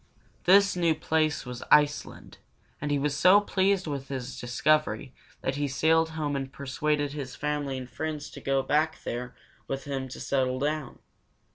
[Illustration: A Viking.] This new place was Ice´land, and he was so pleased with his discovery that he sailed home and persuaded his family and friends to go back there with him to settle down.